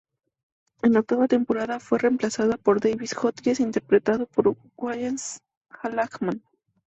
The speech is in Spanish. En la octava temporada, fue reemplazada por David Hodges, interpretado por Wallace Langham.